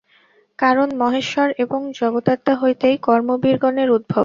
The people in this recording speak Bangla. কারণ, মহেশ্বর এবং জগন্মাতা হইতেই কর্মবীরগণের উদ্ভব।